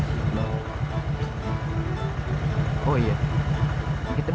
atau nginep disini nih